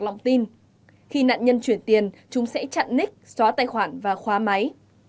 lòng tin khi nạn nhân chuyển tiền chúng sẽ chặn nick xóa tài khoản và khóa máy